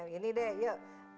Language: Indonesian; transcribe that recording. gini deh yuk